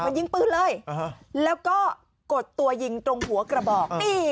ยิงปืนเลยแล้วก็กดตัวยิงตรงหัวกระบอก